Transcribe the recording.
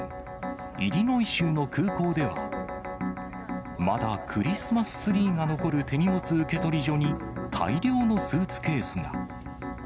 イリノイ州の空港では、まだクリスマスツリーが残る手荷物受け取り所に、大量のスーツケースが。